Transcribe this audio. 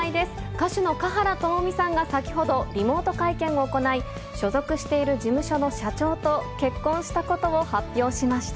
歌手の華原朋美さんが先ほど、リモート会見を行い、所属している事務所の社長と結婚したことを発表しました。